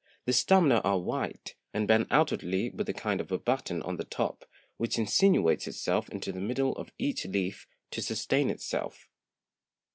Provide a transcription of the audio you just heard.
The Stamina are white, and bend outwardly with a kind of a Button on the top, which insinuates itself into the middle of each Leaf to sustain itself.